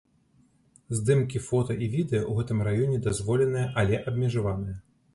Здымкі фота і відэа ў гэтым раёне дазволеныя, але абмежаваныя.